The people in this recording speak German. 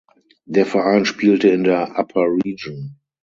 Der Verein spielte in der Upper Region.